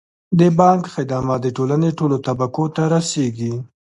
د بانک خدمات د ټولنې ټولو طبقو ته رسیږي.